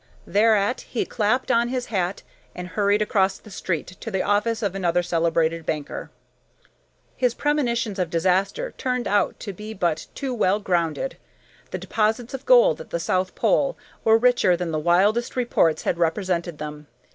Thereat he clapped on his hat and hurried across the street to the office of another celebrated banker. His premonitions of disaster turned out to be but too well grounded. The deposits of gold at the south pole were richer than the wildest reports had represented them.